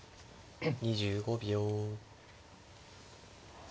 ２５秒。